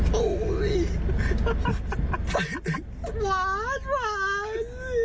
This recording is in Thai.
หวานหวาน